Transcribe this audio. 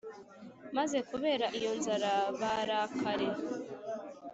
maze kubera iyo nzara, barakare,